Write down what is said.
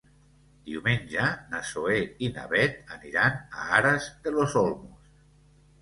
Diumenge na Zoè i na Bet aniran a Aras de los Olmos.